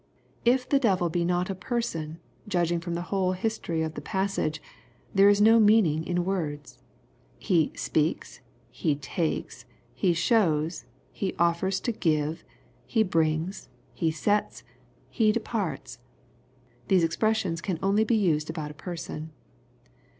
If the devil be not a person, judging from the whole history of the passage, there is no meaning in words. He " sgesis," he "takes," he " shews," he offei»ia" P^Ci" ^© "brings he^sets," he ^^ejgarts." TPSiese expressions can only be used about a person.